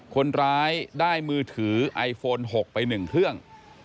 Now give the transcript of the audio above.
คนร้ายได้มือถือไอโฟน๖ไป๑เครื่อง